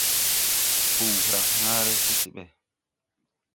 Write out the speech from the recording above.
Pow ga se hrag hããre se ɓɛ.